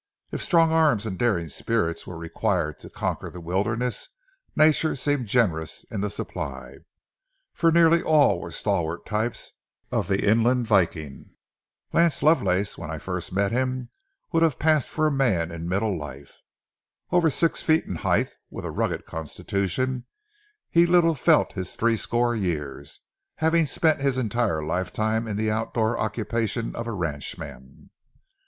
If strong arms and daring spirits were required to conquer the wilderness, Nature seemed generous in the supply; for nearly all were stalwart types of the inland viking. Lance Lovelace, when I first met him, would have passed for a man in middle life. Over six feet in height, with a rugged constitution, he little felt his threescore years, having spent his entire lifetime in the outdoor occupation of a ranchman.